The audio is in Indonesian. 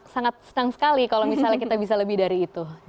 sangat senang sekali kalau misalnya kita bisa lebih dari itu